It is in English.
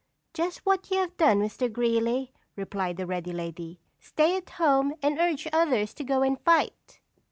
"Just what you have done, Mr. Greeley," replied the ready lady; "stay at home and urge others to go and fight!"